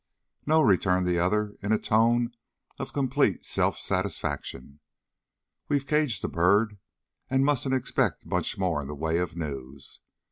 "No," returned the other, in a tone of complete self satisfaction. "We've caged the bird and mustn't expect much more in the way of news.